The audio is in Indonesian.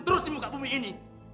terus di muka bumi ini